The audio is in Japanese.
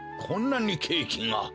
こんなにケーキが！